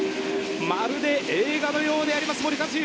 まるで映画のようであります、森且行。